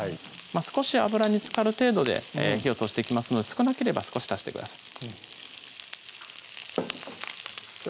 少し油につかる程度で火を通していきますので少なければ少し足してください